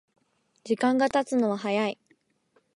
時間がたつのは早い